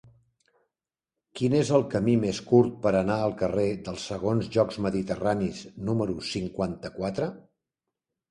Quin és el camí més curt per anar al carrer dels Segons Jocs Mediterranis número cinquanta-quatre?